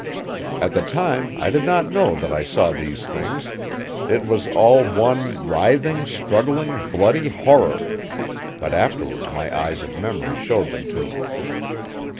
At the time I did not know that I saw these things; it was all one writhing, struggling, bloody horror; but afterward the eyes of memory showed them to me.